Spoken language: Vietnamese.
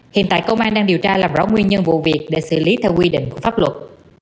hiện tại công an đang điều tra làm rõ nguyên nhân vụ việc để xử lý theo quy định của pháp luật